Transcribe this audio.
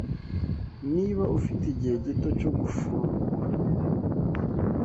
Niba ufite igihe gito cyo gufungura,